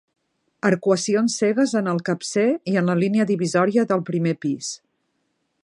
Arcuacions cegues en el capcer i en la línia divisòria del primer pis.